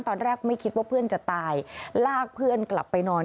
ตอนแรกไม่คิดว่าเพื่อนจะตายลากเพื่อนกลับไปนอน